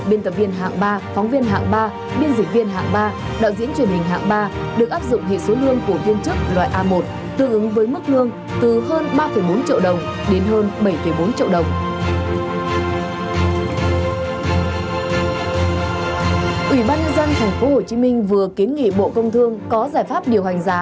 ban nhân dân tp hcm vừa kiến nghị bộ công thương có giải pháp điều hành giá